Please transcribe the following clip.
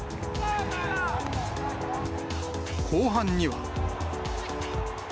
後半には。